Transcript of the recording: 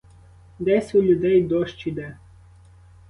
Десь у людей дощ іде.